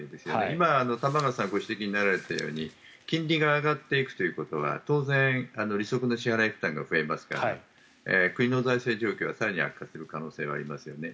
今、玉川さんがご指摘になられたように金利が上がっていくということは当然、利息の支払い負担が増えますから国の財政状況は更に悪化する可能性はありますよね。